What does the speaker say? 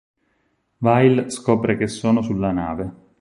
Vail scopre che sono sulla nave.